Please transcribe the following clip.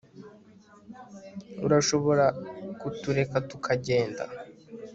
Urashobora kutureka tukagenda